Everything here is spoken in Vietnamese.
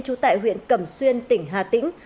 trú tại huyện cẩm xuyên tỉnh hà tĩnh